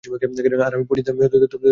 আরে, আমি পন্ডিত না, তবে আমি একজন অস্পৃশ্য!